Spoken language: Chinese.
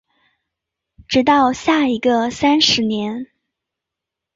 直到下一个三十年